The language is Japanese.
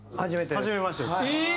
はじめましてです。